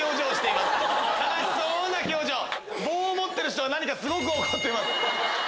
棒を持ってる人はすごく怒っています。